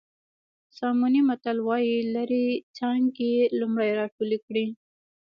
ساموني متل وایي لرې څانګې لومړی راټولې کړئ.